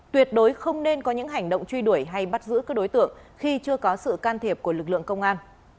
tuyệt đối không nên có những hành động truy đuổi hay bắt giữ các đối tượng khi chưa có sự can thiệp của lực lượng công an